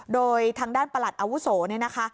โดยทางด้านประหลัดอาวุโสเนี่ยนะคะ